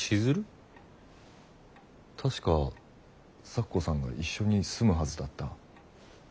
確か咲子さんが一緒に住むはずだった。